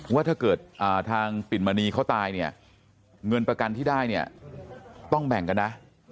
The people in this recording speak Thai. ว่าถ้าเกิดทางปิ่นมณีเขาตายเนี่ยเงินประกันที่ได้เนี่ยต้องแบ่งกันนะ